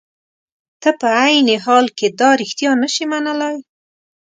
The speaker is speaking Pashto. ته په عین حال کې دا رښتیا نشې منلای.